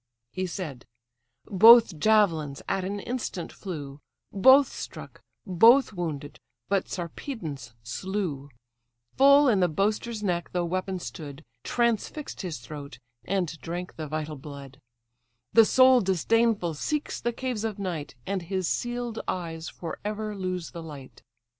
He said: both javelins at an instant flew; Both struck, both wounded, but Sarpedon's slew: Full in the boaster's neck the weapon stood, Transfix'd his throat, and drank the vital blood; The soul disdainful seeks the caves of night, And his seal'd eyes for ever lose the light.